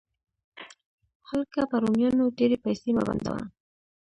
هلکه، په رومیانو ډېرې پیسې مه بندوه.